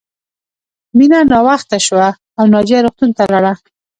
مینه ناوخته شوه او ناجیه روغتون ته لاړه